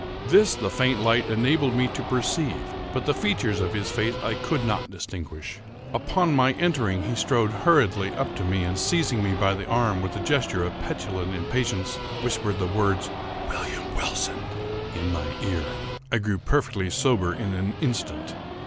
This the faint light enabled me to perceive; but the features of his face I could not distinguish. Upon my entering he strode hurriedly up to me, and, seizing me by the arm with a gesture of petulant impatience, whispered the words "William Wilson!" in my ear. I grew perfectly sober in an instant.